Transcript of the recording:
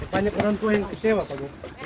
banyak orang tua yang kecewa pak